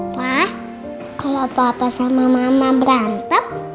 wah kalau papa sama mama berantem